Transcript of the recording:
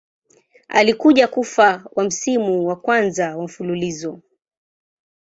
Alikuja kufa wa msimu wa kwanza wa mfululizo.